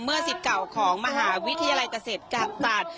เมื่อสิทธิ์เก่าของมหาวิทยาลัยเกษตรกระตาศ